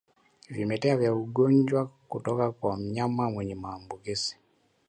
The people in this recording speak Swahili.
Vimelea vya ugonjwa kutoka kwa mnyama mwenye maambukizi